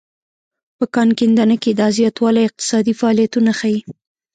په کان کیندنه کې دا زیاتوالی اقتصادي فعالیتونه ښيي.